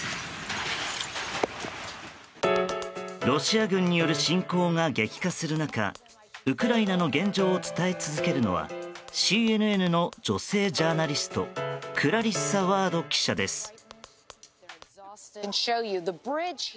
ロシア軍による侵攻が激化する中ウクライナの現状を伝え続けるのはＣＮＮの女性ジャーナリストクラリッサ・ワード記者です。